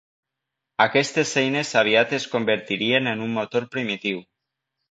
Aquestes eines aviat es convertirien en un motor primitiu.